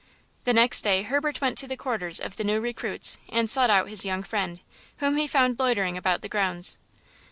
The next day Herbert went to the quarters of the new recruits and sought out his young friend, whom he found loitering about the grounds.